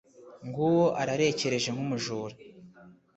ng'uwo ararekereje nk'umujura